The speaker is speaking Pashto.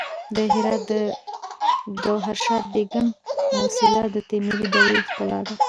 د هرات د ګوهرشاد بیګم موسیلا د تیموري دورې ښکلا ده